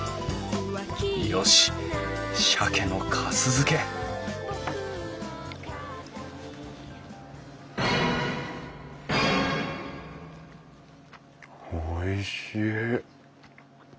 よし鮭のかす漬けおいしい。